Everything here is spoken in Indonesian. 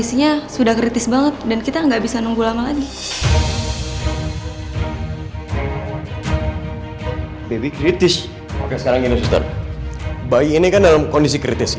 saya bantuin dia terus